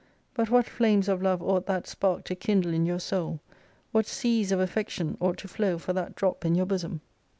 But what flames of love ought that spark to kindle in your soul : what seas of affection ought to flow for that drop in your bosom